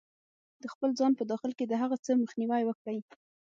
-د خپل ځان په داخل کې د هغه څه مخنیوی وکړئ